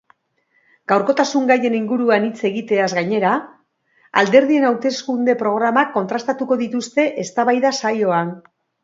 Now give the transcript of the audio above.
Gaurkotasun gaien inguruan hitz egiteaz gainera, alderdien hauteskunde-programak kontrastatuko dituzte eztabaida-saioan.